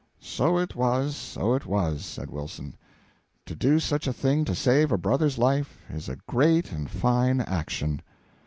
"So it was, so it was," said Wilson; "to do such a thing to save a brother's life is a great and fine action."